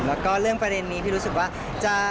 แล้วก็เรื่องประเด็นนี้พี่รู้สึกว่า